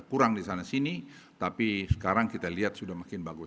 kurang di sana sini tapi sekarang kita lihat sudah makin bagus